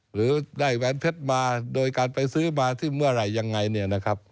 หรือได้แหวนเพชรมาโดยการไปซื้อมาที่เมื่อไหร่ยังไงเนี่ยนะครับ